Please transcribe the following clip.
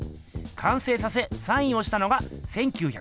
完成させサインをしたのが１９４９年。